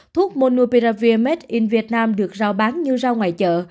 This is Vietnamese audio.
thuốc monopiravir made in vietnam được rau bán như rau ngoài chợ